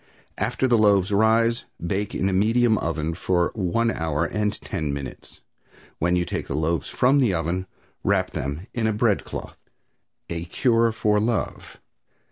After the loaves rise bake in a medium oven for one hour and ten minutes. When you take the loaves from the oven wrap them in a bread cloth." A CURE FOR LOVE.